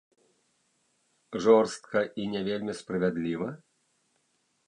Жорстка і не вельмі справядліва?